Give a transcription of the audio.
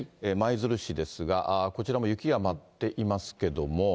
舞鶴市ですが、こちらも雪が舞っていますけれども。